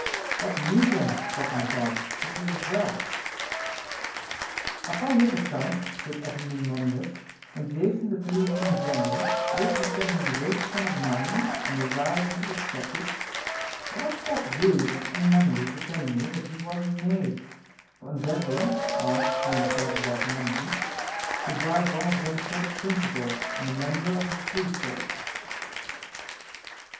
What need then, said my father, have we of wealth] Upon this account, said Epaminondas, when Jason, the Thessalian general, lately sent me a great sum of money and desired me to accept it, I was thought rude and unmannerly for telling him that he was a knave for endeavoring, whilst he himself loved monarchy, to bribe one of democratical principles and a member of a free state.